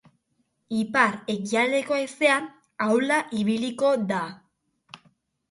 Ipar-ekialdeko haize ahula ibiliko da.